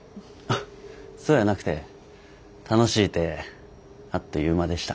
そうやなくて楽しいてあっという間でした。